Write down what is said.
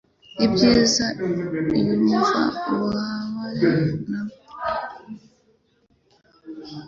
ibyiza yumva ububabare nabwo